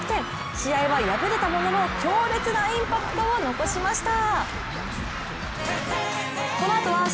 試合は敗れたものの、強烈なインパクトを残しました。